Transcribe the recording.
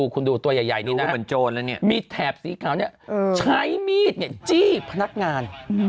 คุณดูตัวใหญ่นี่นะมีแถบสีขาวเนี่ยใช้มีดจี้พนักงาน